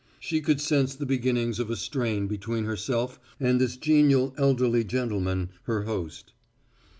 She could sense the beginnings of a strain between herself and this genial elderly gentleman, her host.